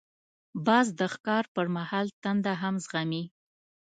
باز د ښکار پر مهال تنده هم زغمي